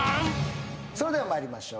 それでは参りましょう。